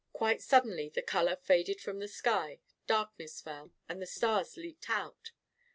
Quite suddenly the color faded from the sky, darkness fell, and the stars leaped out.